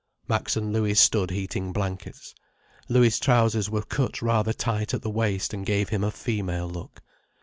Max and Louis stood heating blankets. Louis' trousers were cut rather tight at the waist, and gave him a female look.